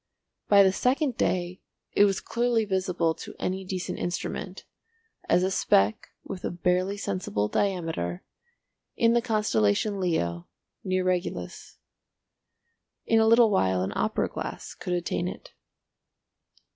By the second day it was clearly visible to any decent instrument, as a speck with a barely sensible diameter, in the constellation Leo near Regulus. In a little while an opera glass could attain it.